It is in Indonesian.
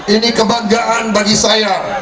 ini kebanggaan bagi saya